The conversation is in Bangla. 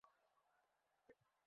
একজন প্রহরীকে মারধরের জন্য!